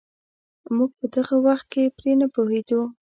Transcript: موږ په دغه وخت کې پرې نه پوهېدو.